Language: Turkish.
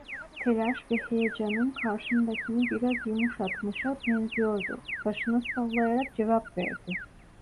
Telaş ve heyecanım karşımdakini biraz yumuşatmışa benziyordu, başını sallayarak cevap verdi: